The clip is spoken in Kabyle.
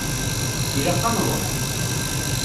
Ilaq ad nṛuḥ.